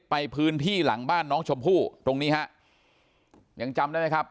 ไปพื้นที่หลังบ้านน้องชมพู่ตรงนี้ฮะยังจำได้ไหมครับ